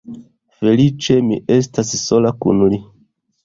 Feliĉe mi estas sola kun li.